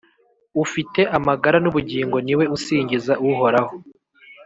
Ufite amagara n’ubugingo ni we usingiza Uhoraho